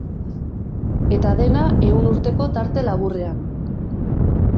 Eta dena ehun urteko tarte laburrean.